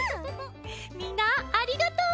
みんなありがとう！